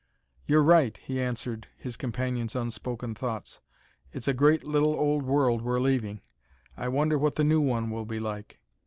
"You're right," he answered his companion's unspoken thoughts; "it's a great little old world we're leaving. I wonder what the new one will be like."